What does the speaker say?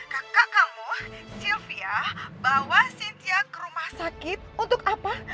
kakak kamu sylvia bawa cynthia ke rumah sakit untuk apa